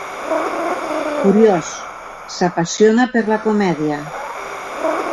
Curiós, s'apassiona per la comèdia.